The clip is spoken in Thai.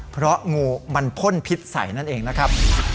เพราะงูมันพ่นพิษใส่นั่นเองนะครับ